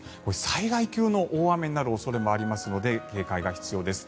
災害級の大雨になる恐れもありますので警戒が必要です。